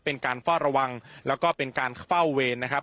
เป็นการเฝ้าระวังแล้วก็เป็นการเฝ้าเวรนะครับ